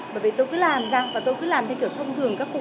bởi vì tôi cứ làm ra và tôi cứ làm theo kiểu thông thường các cụ